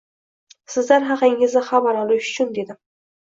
Sizlar haqingizda xabar olish uchun, - dedim